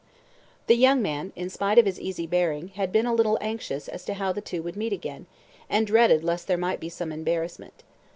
The young man, in spite of his easy bearing, had been a little anxious as to how the two would meet again, and dreaded lest there might be some embarrassment.